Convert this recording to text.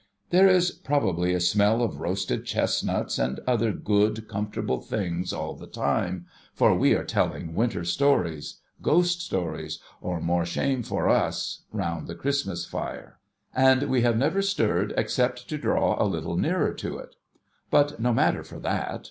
There is probably a smell of roasted chestnuts and other good comfortable things all the time, for we are telling Winter Stories —■ Ghost Stories, or more shame for us — round the Christmas fire ; and we have never stirred, except to draw a little nearer to it. But, no matter for that.